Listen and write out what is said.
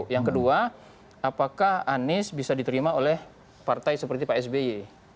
yang kedua apakah anies bisa diterima oleh partai seperti pak sby